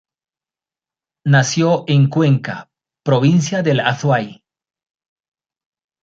Nació en Cuenca, provincia del Azuay.